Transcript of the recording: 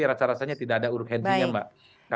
rasa rasanya tidak ada urut hentinya mbak